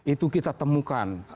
itu kita temukan